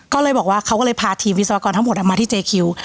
ก็เลยบอกว่าเขาก็เลยพาทีมวิศวกรทั้งหมดมาที่เจคิว